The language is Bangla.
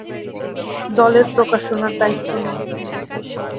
দলের প্রকাশনার দায়িত্ব নেন।